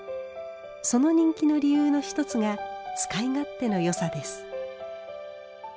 その人気の理由の一つが使い勝手のよさです。